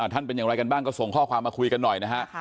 เป็นอย่างไรกันบ้างก็ส่งข้อความมาคุยกันหน่อยนะฮะ